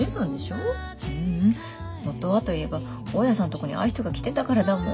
ううん元はと言えば大家さんとこにああいう人が来てたからだもん。